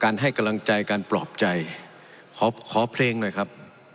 ให้กำลังใจการปลอบใจขอขอเพลงหน่อยครับ